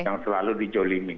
yang selalu dijolimi